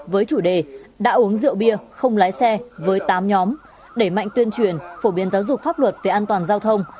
với chủ đề đã uống rượu bia không lái xe với tám nhóm đẩy mạnh tuyên truyền phổ biến giáo dục pháp luật về an toàn giao thông